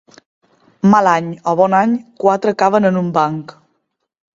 Mal any o bon any, quatre caben en un banc.